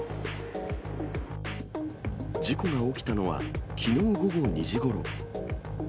事故が起きたのは、きのう午後２時ごろ。